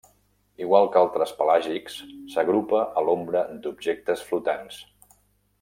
Igual que altres pelàgics, s'agrupa a l'ombra d'objectes flotants.